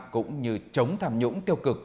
cũng như chống tham nhũng tiêu cực